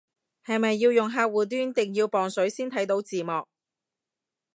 係咪要用客戶端定要磅水先睇到字幕